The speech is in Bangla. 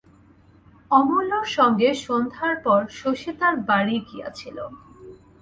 অমূল্যর সঙ্গে সন্ধ্যার পর শশী তার বাড়ি গিয়াছিল।